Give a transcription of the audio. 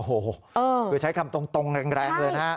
โอ้โหคือใช้คำตรงแรงเลยนะฮะ